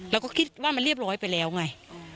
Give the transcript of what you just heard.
เราก็คิดว่ามันเรียบร้อยไปแล้วไง